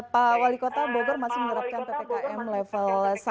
pak wali kota bogor masih menerapkan ppkm level satu